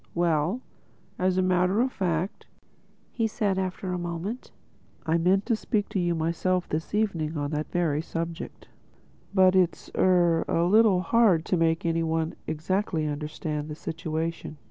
"Well, as a matter of fact," said he after a moment, "I meant to speak to you myself this evening on that very subject. But it's—er—a little hard to make any one exactly understand the situation.